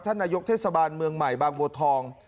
นายกเทศบาลเมืองใหม่บางบัวทอง